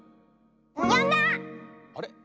あれ？